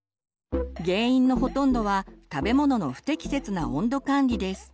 原因のほとんどは食べ物の不適切な温度管理です。